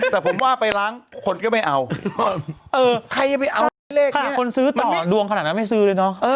แต่ผมว่าไปล้างคนก็ไม่เอาเออใครจะไปเอาเลขใครคนซื้อต่อดวงขนาดนั้นไม่ซื้อเลยเนอะ